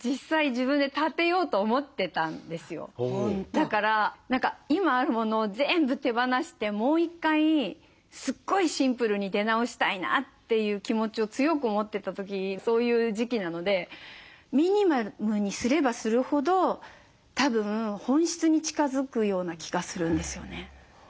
だから今あるものを全部手放してもう１回すごいシンプルに出直したいなという気持ちを強く持ってた時そういう時期なのでミニマムにすればするほどたぶん本質に近づくような気がするんですよね。